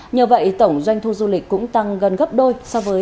nhờ vậy tổng doanh thu du lịch cũng tăng gần gấp đôi